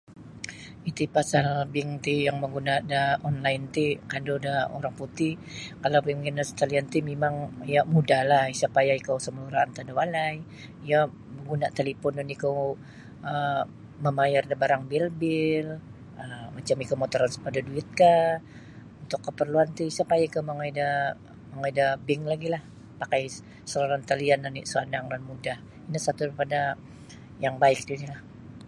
Iti pasal bank ti yang mengguna da online ti kandu da orang putih kalau bank in atas talian ti mimang iyo mudahlah isa payah ikou sumalura antad da walai iyo guna talipon oni ikou mamayar da barang bil-bil macam ikou untuk transfer da duit kah untuk keperluan ti isa payah ikou mongoi da mongoi da bank lagi pakai atas talian oni mudah ino suatu yang baik ninilah.